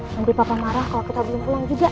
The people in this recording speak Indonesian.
nanti papa marah kalo kita belum pulang juga ya